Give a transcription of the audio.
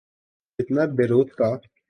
جتنا بیروت کا۔